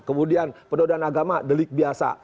kemudian penodaan agama delik biasa